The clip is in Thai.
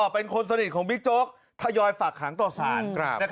เป็นคนสนิทของบิ๊กโจ๊กทยอยฝากขังต่อสาร